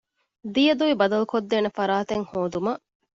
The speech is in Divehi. ދިޔަދޮވި ބަދަލުކޮށްދޭނެ ފަރާތެއް ހޯދުމަށް